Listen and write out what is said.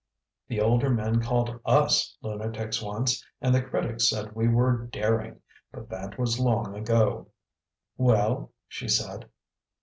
The older men called US lunatics once, and the critics said we were "daring," but that was long ago. "Well?" she said.